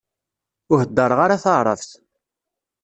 Ur heddreɣ ara taɛrabt.